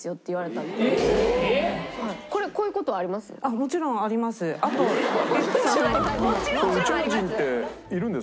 「もちろんあります」？